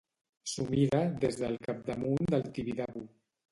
S'ho mira des del capdamunt del Tibidabo.